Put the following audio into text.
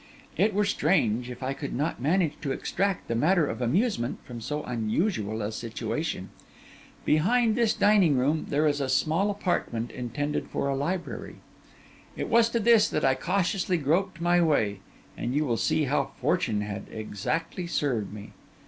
It were strange if I could not manage to extract the matter of amusement from so unusual a situation. Behind this dining room, there is a small apartment intended for a library. It was to this that I cautiously groped my way; and you will see how fortune had exactly served me.